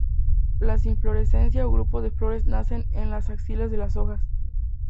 Las inflorescencias o grupos de flores nacen en las axilas de las hojas.